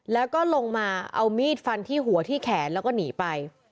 แล้วก็ลงมาเอามีดฟันที่หัวที่แขนแล้วก็หนีไป